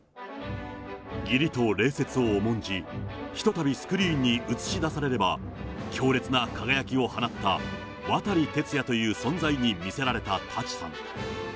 義理と礼節を重んじ、ひとたびスクリーンに映し出されれば、強烈な輝きを放った、渡哲也という存在に見せられた舘さん。